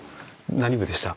何部でした？